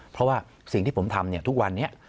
เพราะว่าสิ่งที่ผมทำทุกวันนี้